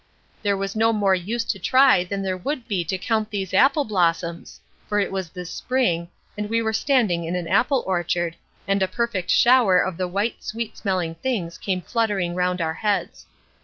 "There was no more use to try than there would be to count these apple blossoms," for it was this spring, and we were standing in an apple orchard, and a perfect shower of the white, sweet smelling things came fluttering round our heads.